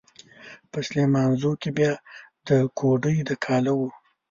په سليمانزو کې بيا د کوډۍ د کاله و.